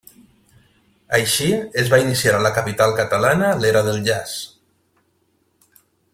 Així, es va iniciar a la capital catalana l'era del jazz.